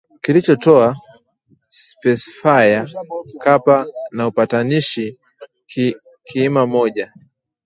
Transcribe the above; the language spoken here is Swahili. kilichotoa spesifaya kapa na upatanishi kiima moja